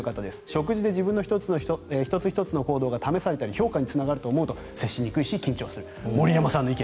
食事で自分の１つ１つの行動が試されたり評価につながると思うと接しにくいし緊張する。